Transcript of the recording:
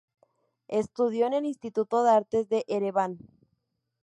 Estudió en el Instituto de Arte de Ereván.